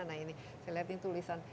nah ini saya lihat ini tulisan